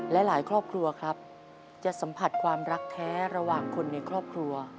และหลายครอบครัวครับจะสัมผัสความรักแท้ระหว่างคนในครอบครัว